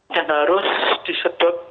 yang harus disedot